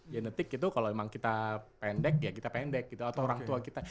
genetik itu kalau memang kita pendek ya kita pendek gitu atau orang tua kita